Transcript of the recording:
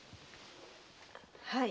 はい。